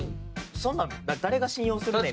そんなの誰が信用するねん？